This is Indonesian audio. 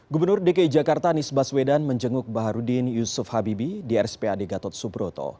gubernur dki jakarta anies baswedan menjenguk baharudin yusuf habibi di rspad gatot subroto